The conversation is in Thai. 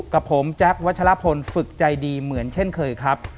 กับผมแจ๊ควัชลพลฝึกใจดีเหมือนเช่นเคยครับ